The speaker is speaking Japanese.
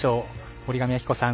森上亜希子さん